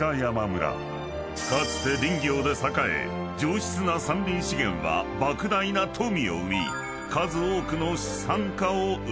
［かつて林業で栄え上質な山林資源は莫大な富を生み数多くの］